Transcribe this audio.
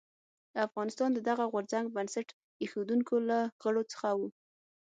افغانستان د دغه غورځنګ بنسټ ایښودونکو له غړو څخه و.